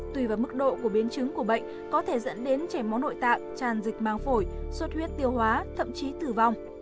tùy vào mức độ của biến chứng của bệnh có thể dẫn đến chảy máu nội tạng tràn dịch mang phổi suốt huyết tiêu hóa thậm chí tử vong